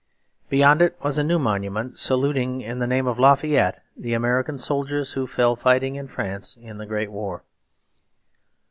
Beyond it was a new monument saluting in the name of Lafayette the American soldiers who fell fighting in France in the Great War.